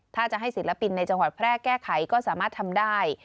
ถ้าจะให้ศิลปินในจังหวัดแพร่แก้ไขก็สามารถทำได้